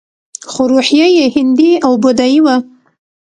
خو روحیه یې هندي او بودايي وه